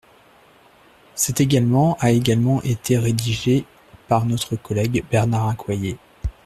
Cet également a également été rédigé par notre collègue Bernard Accoyer.